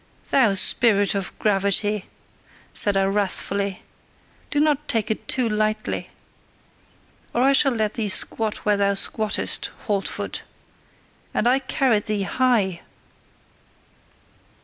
"Thou spirit of gravity!" said I wrathfully, "do not take it too lightly! Or I shall let thee squat where thou squattest, Haltfoot, and I carried thee HIGH!"